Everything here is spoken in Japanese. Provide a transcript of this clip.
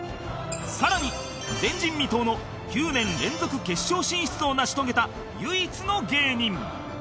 更に前人未到の９年連続決勝進出を成し遂げた唯一の芸人